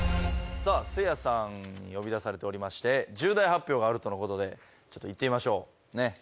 さあせいやさんに呼び出されておりまして重大発表があるとの事でちょっと行ってみましょう。